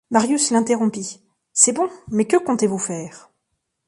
Marius l’interrompit :— C’est bon ; mais que comptez-vous faire ?